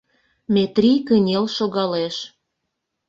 — Метрий кынел шогалеш.